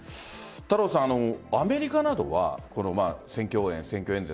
アメリカなどは選挙応援、選挙演説